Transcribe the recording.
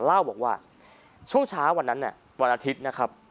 เล่าบอกว่าช่วงเช้าวันนั้นวันอาทิตย์นะครับ